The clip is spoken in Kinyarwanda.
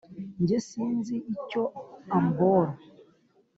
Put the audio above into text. njye sinzi icyo ambora